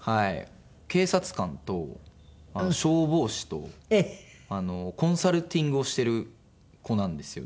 警察官と消防士とコンサルティングをしてる子なんですよね。